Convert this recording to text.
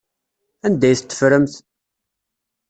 Anda ay t-teffremt?